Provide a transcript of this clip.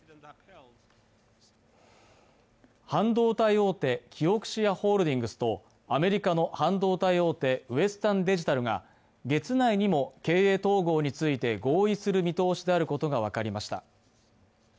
半導体大手、キオクシアホールディングスとアメリカの半導体大手ウエスタンデジタルが月内にも経営統合について合意する見通しであることが分かりました。